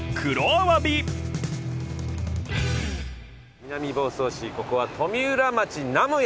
南房総市ここは富浦町南無谷。